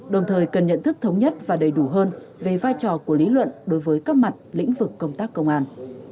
đồng thời cần nhận thức thống nhất và đầy đủ hơn về vai trò của lý luận đối với các mặt lĩnh vực công tác công an